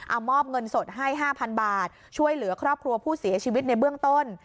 เอามอบเงินสดให้๕๐๐๐บาทช่วยเหลือครอบครัวผู้เสียชีวิตในเบื้องต้น